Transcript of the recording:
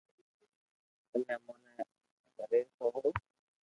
تمي اموني گھري سوھو